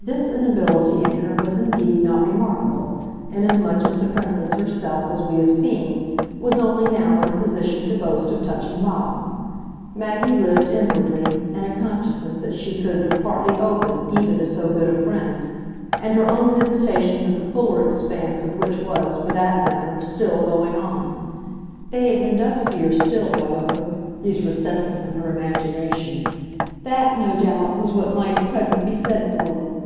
This inability in her was indeed not remarkable, inasmuch as the Princess herself, as we have seen, was only now in a position to boast of touching bottom. Maggie lived, inwardly, in a consciousness that she could but partly open even to so good a friend, and her own visitation of the fuller expanse of which was, for that matter, still going on. They had been duskier still, however, these recesses of her imagination that, no doubt, was what might at present be said for them.